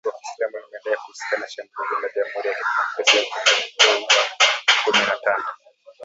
Kundi la Jimbo Kiislamu limedai kuhusika na shambulizi la Jamhuri ya Kidemokrasia ya Kongo lililouwa watu kumi na tano